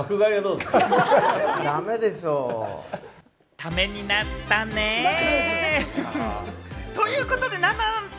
ためになったね。ということで、な、なんと！